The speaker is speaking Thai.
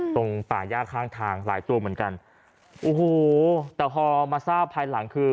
ป่าย่าข้างทางหลายตัวเหมือนกันโอ้โหแต่พอมาทราบภายหลังคือ